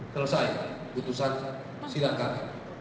selesai putusan silakan